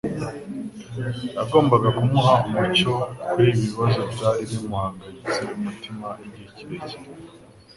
yagombaga kumuha umucyo kur’ibi bibazo byari bimuhagaritse umutima igihe kirekire.